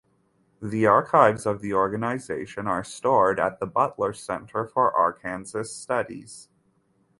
The archives of the organization are stored at the Butler Center for Arkansas Studies.